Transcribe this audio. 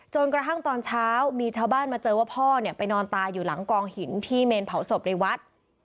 จนกระทั่งตอนเช้ามีชาวบ้านมาเจอว่าพ่อเนี่ยไปนอนตายอยู่หลังกองหินที่เมนเผาศพในวัด